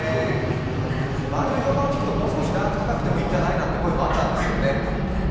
周りの評判聞くと、もう少しランク高くてもいいんじゃない？という声もあったんですけどね。